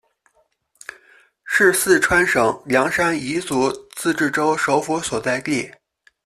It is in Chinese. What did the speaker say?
是四川省凉山彝族自治州首府所在地。